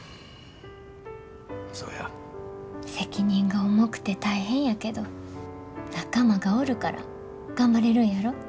責任が重くて大変やけど仲間がおるから頑張れるんやろ。